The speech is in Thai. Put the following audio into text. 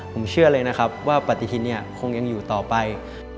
ผมเชื่อเลยว่าปฏิทิณคงยังอยู่ต่อไป